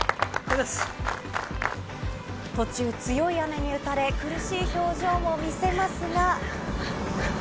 途中、強い雨に打たれ、苦しい表情も見せますが。